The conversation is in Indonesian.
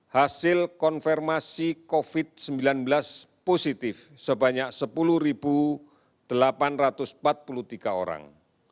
hasil konfirmasi covid sembilan belas positif sebanyak sepuluh delapan ratus empat puluh tiga orang